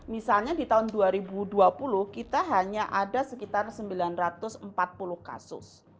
misalnya di tahun dua ribu dua puluh kita hanya ada sekitar sembilan ratus empat puluh kasus